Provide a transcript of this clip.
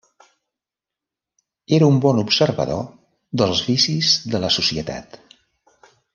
Era un bon observador dels vicis de la societat.